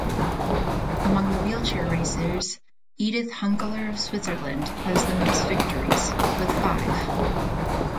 Among the wheelchair racers, Edith Hunkeler of Switzerland has the most victories, with five.